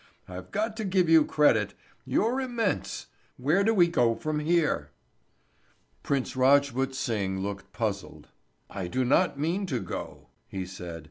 I've got to give you credit. You're immense. Where do we go from here?" Prince Rajput Singh looked puzzled. "I do not mean to go," he said.